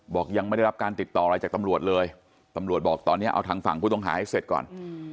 บอกยังไม่ได้รับการติดต่ออะไรจากตำรวจเลยตำรวจบอกตอนนี้เอาทางฝั่งผู้ต้องหาให้เสร็จก่อน